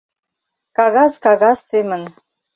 — Кагаз кагаз семын...